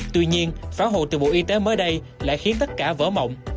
tuy nhiên phản hồi từ bộ y tế mới đây lại khiến tất cả vỡ mộng